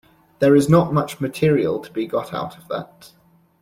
There is not much material to be got out of that.